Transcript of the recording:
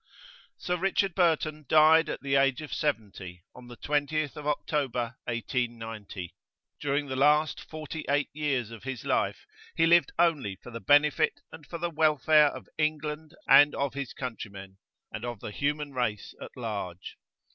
Sir Richard Burton died at the age of 70, on the 20th October, 1890. During the last 48 years of his life, he lived only for the benefit and for the welfare of England and of his countrymen, and of the Human Race at large.